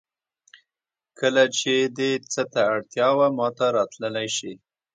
کله چې دې څه ته اړتیا وه ماته راتللی شې